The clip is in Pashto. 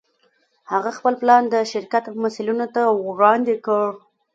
هغه خپل پلان د شرکت مسوولينو ته وړاندې کړ.